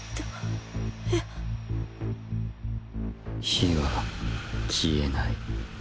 火は消えない。